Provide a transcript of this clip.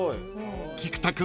［菊田君